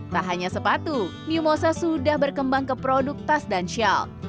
tak hanya sepatu new mosa sudah berkembang ke produk tas dan shell